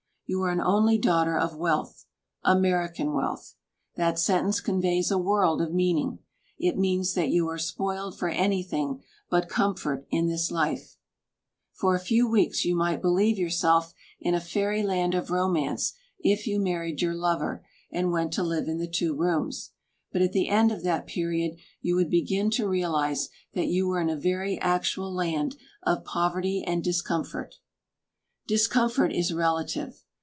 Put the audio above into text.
You are an only daughter of wealth American wealth. That sentence conveys a world of meaning. It means that you are spoiled for anything but comfort in this life. For a few weeks you might believe yourself in a fairy land of romance if you married your lover and went to live in the two rooms. But at the end of that period you would begin to realize that you were in a very actual land of poverty and discomfort. Discomfort is relative.